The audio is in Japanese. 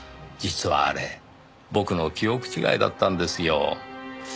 実はあれ僕の記憶違いだったんですよ。